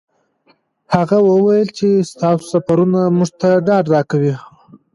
هغه وویل چې ستاسو سفرونه موږ ته ډاډ راکوي.